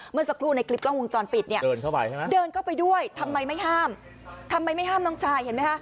เมื่อสักครู่ในคลิปกล้องวงจรปิดเนี่ยเดินเข้าไปใช่ไหมเดินเข้าไปด้วยทำไมไม่ห้ามทำไมไม่ห้ามน้องชายเห็นไหมคะ